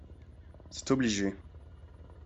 C'est obligé.